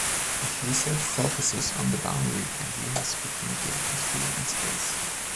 His research focuses on the boundary and links between the atmosphere and space.